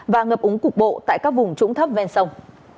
và ngập úng cục bộ tại các vùng trũng thấp ven sông